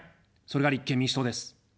それが立憲民主党です。